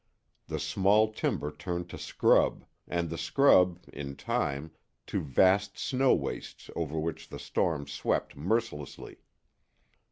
The small timber turned to scrub, and the scrub, in time, to vast snow wastes over which the storm swept mercilessly.